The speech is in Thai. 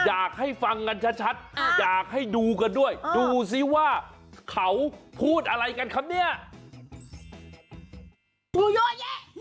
อยากให้ฟังกันชัดอยากให้ดูกันด้วยดูสิว่าเขาพูดอะไรกันครับเนี่ย